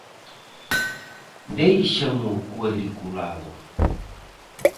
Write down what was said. Déixamo cuadriculado.